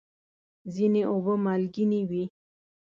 ځینې اوبه مالګینې وي.